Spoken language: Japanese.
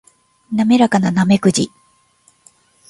滑らかなナメクジ